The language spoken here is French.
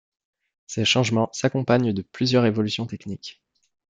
Ces changements s'accompagnent de plusieurs évolutions techniques.